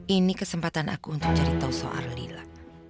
ini kesempatan aku untuk cari tahu soal lila